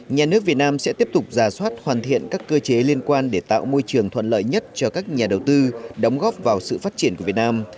nhà nước việt nam sẽ tiếp tục giả soát hoàn thiện các cơ chế liên quan để tạo môi trường thuận lợi nhất cho các nhà đầu tư đóng góp vào sự phát triển của việt nam